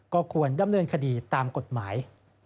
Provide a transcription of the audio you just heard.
ก็ควรดำเนินคดีตามกฎหมาย